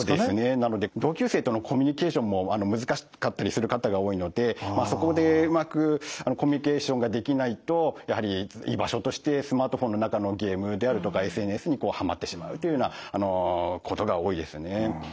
なので同級生とのコミュニケーションも難しかったりする方が多いのでそこでうまくコミュニケーションができないとやはり居場所としてスマートフォンの中のゲームであるとかＳＮＳにはまってしまうというようなことが多いですね。